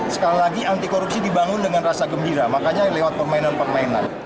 sekali lagi anti korupsi dibangun dengan rasa gembira makanya lewat permainan permainan